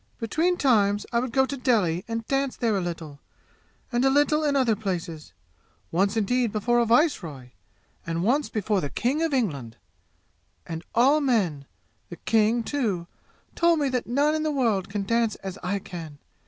"Between times I would go to Delhi and dance there a little, and a little in other places once indeed before a viceroy, and once for the king of England and all men the king, too! told me that none in the world can dance as I can!